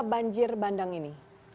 penyebab banjir bandang ini